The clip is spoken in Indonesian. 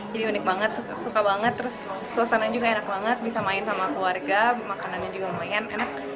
jadi unik banget suka banget terus suasananya juga enak banget bisa main sama keluarga makanannya juga lumayan enak